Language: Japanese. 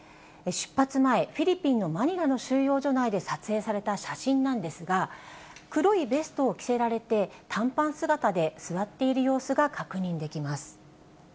出発前、フィリピンのマニラの収容所内で撮影された写真なんですが、黒いベストを着せられて、短パン姿で座っている様子が確認できます。